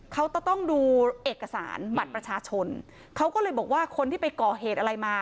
เขาจะต้องดูเอกสารบัตรประชาชนเขาก็เลยบอกว่าคนที่ไปก่อเหตุอะไรมา